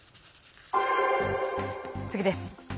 次です。